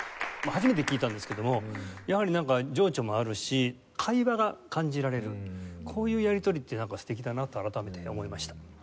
初めて聴いたんですけどもやはり情緒もあるし会話が感じられるこういうやり取りって素敵だなって改めて思いました。